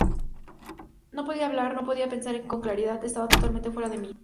No podía hablar, no podía pensar con claridad, estaba totalmente fuera de mí.